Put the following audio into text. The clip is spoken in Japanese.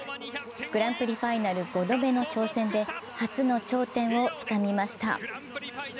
グランプリファイナル５度目の挑戦で、初の頂点をつかみました。